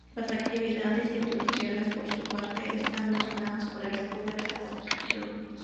Las actividades industriales por su parte están dominadas por el empuje de la construcción.